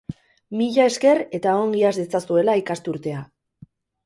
Mila esker eta ongi has dezazuela ikasturtea.